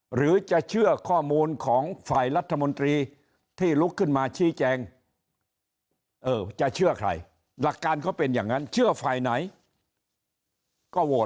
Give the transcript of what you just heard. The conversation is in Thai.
หรือจะเชื่อข้อมูลของฝ่ายรัฐมนตรีที่ลุกขึ้นมาชี้แจงเออจะเชื่อใครหลักการเขาเป็นอย่างนั้นเชื่อฝ่ายไหนก็โหวต